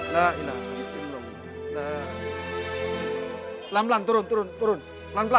dan selalu mengecewakan papa